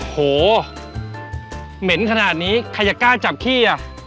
โหเหม็นขนาดนี้ใครจะกล้าจับขี้อ่ะ